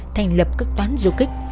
thành lập các toán du kích